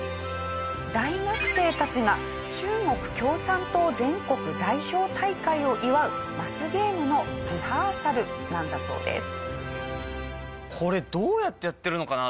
大学生たちが中国共産党全国代表大会を祝うマスゲームのリハーサルなんだそうです。